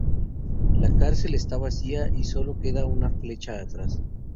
La cárcel está vacía y solo queda una flecha atrás.